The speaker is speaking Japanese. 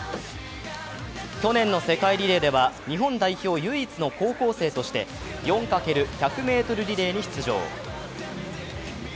去年の世界リレーでは日本代表唯一の高校生として４×１００ｍリレーに出場。